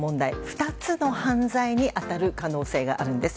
２つの犯罪に当たる可能性があるんです。